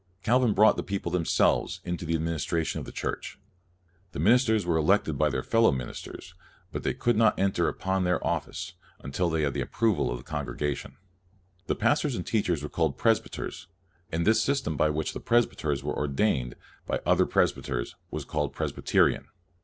Calvin brought the people themselves into the administra tion of the Church. The ministers were elected by their fellow ministers, but they could not enter upon their office until they had the approval of the congregation. These pastors and teachers were called presbyters, and this system by which the presbyters were ordained by other presby ters, was called presbyterian.